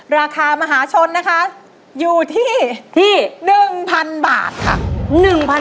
ราคามหาชนนะคะอยู่ที่๑๐๐๐บาทค่ะ